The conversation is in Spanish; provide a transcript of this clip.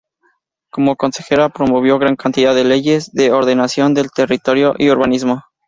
Como consejera promovió gran cantidad de leyes de ordenación del territorio y urbanismo.